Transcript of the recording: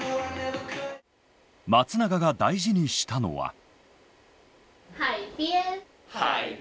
松永が大事にしたのは。